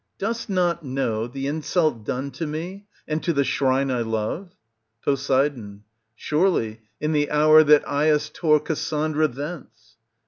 Dost not know the insult done to me and to the shrine I love ? Pos. Surely, in the hour that Aias tore Cassandra thence.